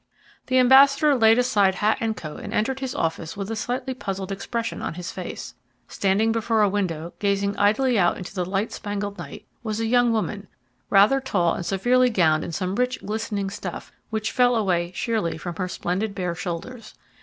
The ambassador laid aside hat and coat and entered his office with a slightly puzzled expression on his face. Standing before a window, gazing idly out into the light spangled night, was a young woman, rather tall and severely gowned in some rich, glistening stuff which fell away sheerly from her splendid bare shoulders.